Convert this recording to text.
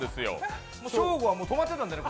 ショーゴは止まってたんでね。